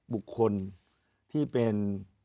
บุคคลที่เป็น